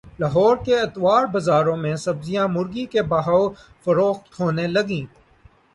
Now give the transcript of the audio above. لاہور کے اتوار بازاروں میں سبزیاں مرغی کے بھاو فروخت ہونے لگیں